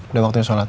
udah waktunya sholat